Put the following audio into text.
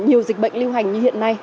nhiều dịch bệnh lưu hành như hiện nay